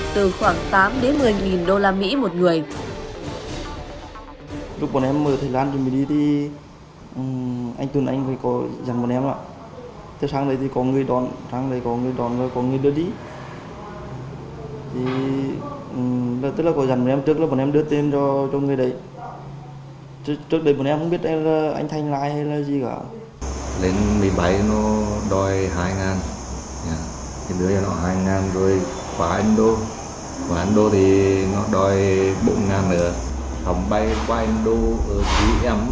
từ khoảng tám đến một mươi nghìn đô la mỹ một người